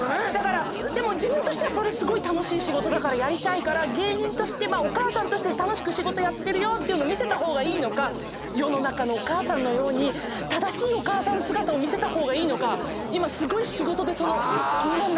でも自分としてはそれすごい楽しい仕事だからやりたいから芸人としてお母さんとして楽しく仕事やってるよって見せた方がいいのか世の中のお母さんのように正しいお母さん姿を見せた方がいいのか今すごい仕事でその悩んでて。